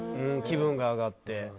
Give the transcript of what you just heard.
気分が上がって。